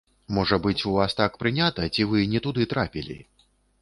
Можа быць, у вас так прынята, ці вы не туды трапілі?